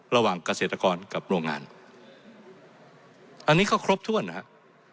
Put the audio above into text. ระหว่างเกษตรกรกับโรงงานอันนี้ก็ครบถ้วนนะครับ